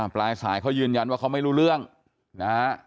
ปลายสายเขายืนยันว่าเขาไม่รู้เรื่องนะฮะ